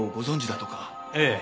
ええ。